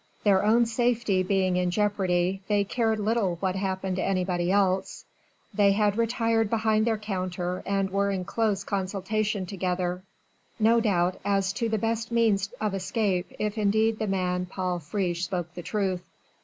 Their own safety being in jeopardy they cared little what happened to anybody else. They had retired behind their counter and were in close consultation together, no doubt as to the best means of escape if indeed the man Paul Friche spoke the truth.